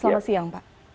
selamat siang pak